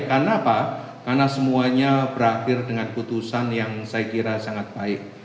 karena apa karena semuanya berakhir dengan keputusan yang saya kira sangat baik